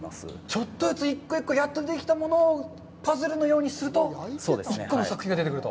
ちょっとずつ一個一個やっと出てきたものをパズルのようにすると１個の作品ができてくると。